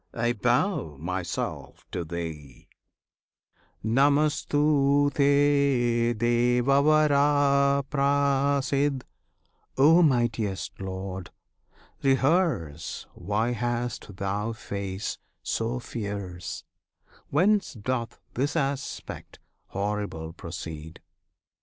I bow myself to Thee, Namostu Te, Devavara! Prasid![FN#23] O Mightiest Lord! rehearse Why hast Thou face so fierce? Whence doth this aspect horrible proceed?